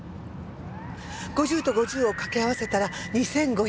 ５０と５０を掛け合わせたら２５００。